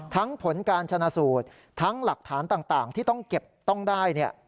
ผลการชนะสูตรทั้งหลักฐานต่างที่ต้องเก็บต้องได้